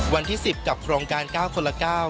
วันที่๑๐กับโครงการก้าวคนละก้าว